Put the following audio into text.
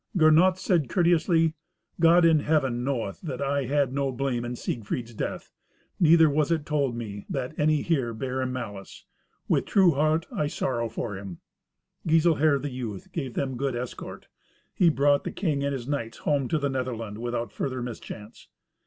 Gernot said courteously, "God in Heaven knoweth that I had no blame in Siegfried's death; neither was it told me, that any here bare him malice. With true heart I sorrow for him." Giselher the youth gave them good escort. He brought the king and his knights home to the Netherland without further mischance.